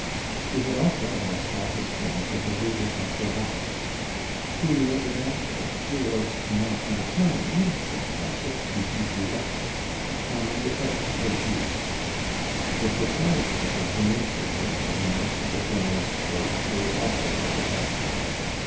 He had also asked all his friends of the Rue des Quatre Vents. Tullia the dancer, who was not unkind, said gossip, to du Bruel, had come without her duke. The proprietors of the newspapers, for whom most of the journalists wrote, were also of the party.